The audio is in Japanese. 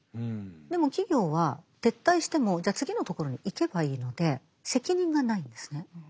でも企業は撤退してもじゃあ次のところに行けばいいので責任がないんですね。